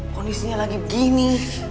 kondisinya lagi begini